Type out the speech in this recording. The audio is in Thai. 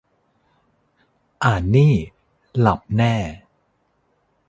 อ่านนี่ หลับแน่